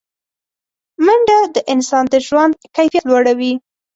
منډه د انسان د ژوند کیفیت لوړوي